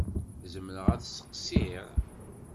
Zemreɣ ad d-sseqsiɣ?